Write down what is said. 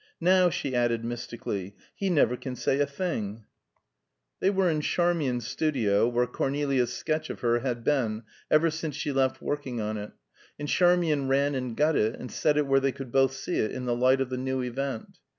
Now," she added mystically, "he never can say a thing." They were in Charmian's studio, where Cornelia's sketch of her had been ever since she left working on it; and Charmian ran and got it, and set it where they could both see it in the light of the new event.